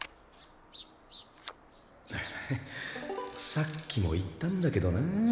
さっきも言ったんだけどな。